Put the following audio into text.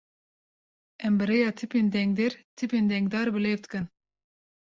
Em bi rêya tîpên dengdêr, tîpên dengdar bi lêv bikin.